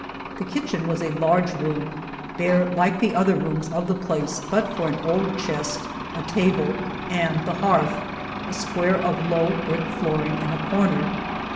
The kitchen was a large room, bare like the other rooms of the place but for an old chest, a table, and the hearth — a square of low brick flooring in a corner.